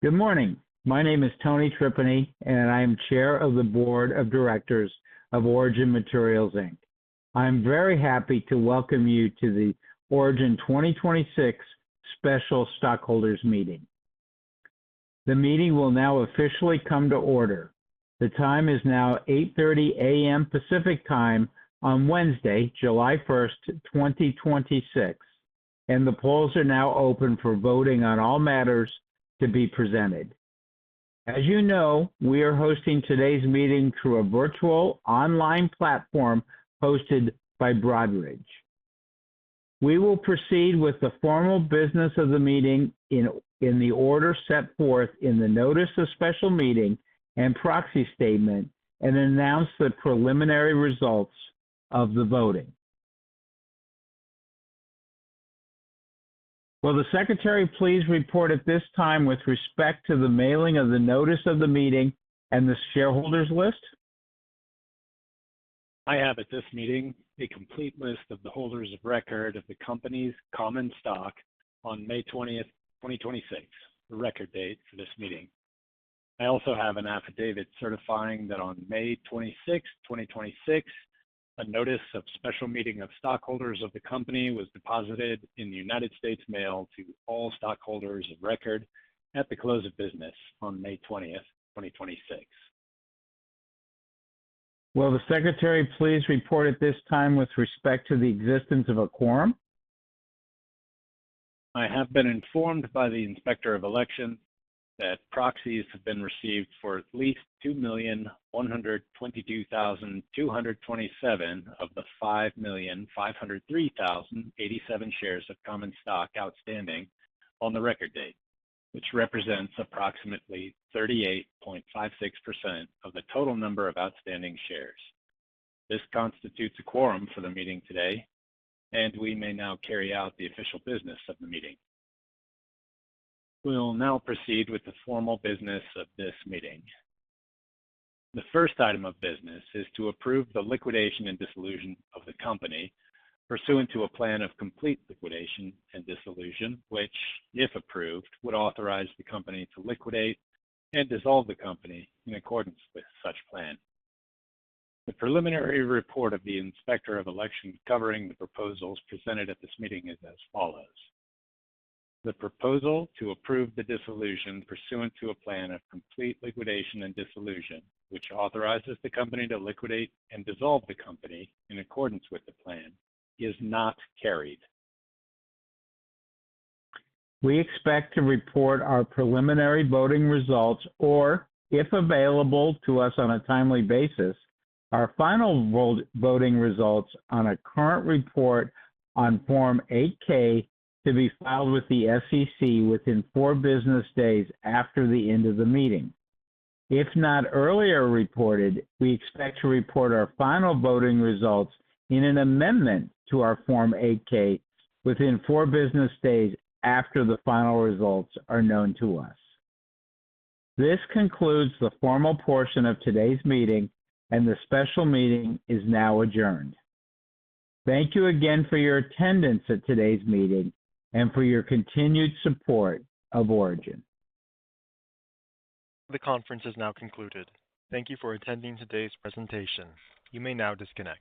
Good morning. My name is Tony Tripeny, and I am Chair of the Board of Directors of Origin Materials, Inc. I am very happy to welcome you to the Origin 2026 Special Stockholders Meeting. The meeting will now officially come to order. The time is now 8:30 AM Pacific Time on Wednesday, July 1st, 2026, and the polls are now open for voting on all matters to be presented. As you know, we are hosting today's meeting through a virtual online platform hosted by Broadridge. We will proceed with the formal business of the meeting in the order set forth in the notice of special meeting and proxy statement and announce the preliminary results of the voting. Will the Secretary please report at this time with respect to the mailing of the notice of the meeting and the shareholders list? I have at this meeting a complete list of the holders of record of the company's common stock on May 20th, 2026, the record date for this meeting. I also have an affidavit certifying that on May 26th, 2026, a notice of special meeting of stockholders of the company was deposited in the United States Mail to all stockholders of record at the close of business on May 20th, 2026. Will the Secretary please report at this time with respect to the existence of a quorum? I have been informed by the Inspector of Elections that proxies have been received for at least 2,122,227 of the 5,503,087 shares of common stock outstanding on the record date, which represents approximately 38.56% of the total number of outstanding shares. This constitutes a quorum for the meeting today, and we may now carry out the official business of the meeting. We will now proceed with the formal business of this meeting. The first item of business is to approve the liquidation and dissolution of the company pursuant to a plan of complete liquidation and dissolution, which, if approved, would authorize the company to liquidate and dissolve the company in accordance with such plan. The preliminary report of the Inspector of Elections covering the proposals presented at this meeting is as follows. The proposal to approve the dissolution pursuant to a plan of complete liquidation and dissolution, which authorizes the company to liquidate and dissolve the company in accordance with the plan, is not carried. We expect to report our preliminary voting results, or if available to us on a timely basis, our final voting results on a current report on Form 8-K to be filed with the SEC within four business days after the end of the meeting. If not earlier reported, we expect to report our final voting results in an amendment to our Form 8-K within four business days after the final results are known to us. This concludes the formal portion of today's meeting and the special meeting is now adjourned. Thank you again for your attendance at today's meeting and for your continued support of Origin. The conference is now concluded. Thank you for attending today's presentation. You may now disconnect.